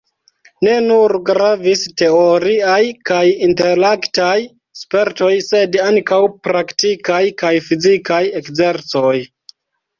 Ne nur gravis teoriaj kaj intelektaj spertoj sed ankaŭ praktikaj kaj fizikaj ekzercoj.